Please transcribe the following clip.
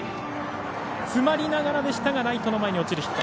詰まりながらでしたがライトの前に落ちるヒット。